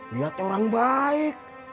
lihat orang baik